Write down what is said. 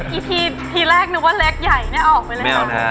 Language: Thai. อีกทีทีแรกนึกว่าเล็กใหญ่น่ะออกไปเลยค่ะ